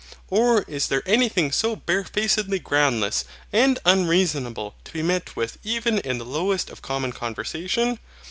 Or is there anything so barefacedly groundless and unreasonable to be met with even in the lowest of common conversation?